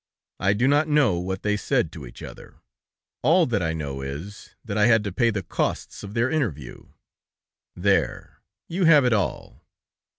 I do not know what they said to each other; all that I know is, that I had to pay the costs of their interview. There you have it all!"